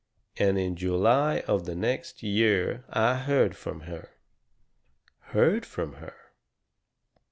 And in July of the next year I heard from her." "Heard from her?"